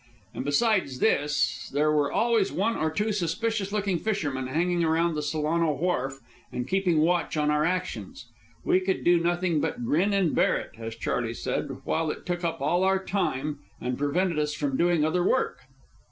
And besides this, there were always one or two suspicious looking fishermen hanging around the Solano Wharf and keeping watch on our actions. We could do nothing but "grin and bear it," as Charley said, while it took up all our time and prevented us from doing other work.